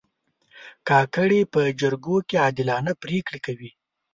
کاکړي په جرګو کې عادلانه پرېکړې کوي.